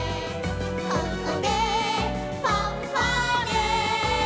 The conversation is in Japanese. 「ここでファンファーレ」